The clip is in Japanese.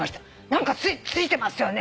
何かついてますよね？